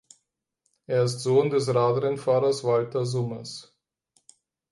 Er ist der Sohn des Radrennfahrers Walter Summers.